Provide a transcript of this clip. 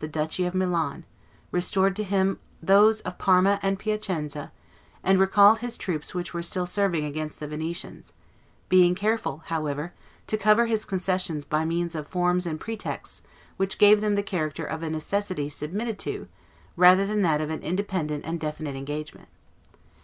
the duchy of Milan, restored to him those of Parma and Piacenza, and recalled his troops which were still serving against the Venetians; being careful, however, to cover his concessions by means of forms and pretexts which gave them the character of a necessity submitted to rather than that of an independent and definite engagement.